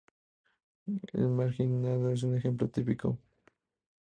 El marginado es un ejemplo típico.